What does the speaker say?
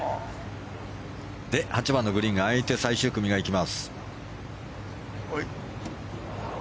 ８番のグリーンが空いて最終組が行きます。